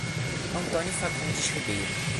Antônio Facundes Ribeiro